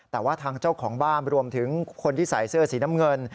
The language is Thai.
แต่ว่าทางเจ้าของบ้านรวมถึงคนที่ใส่เสื้อสีน้ำเงิน